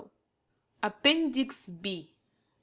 APPENDIX B.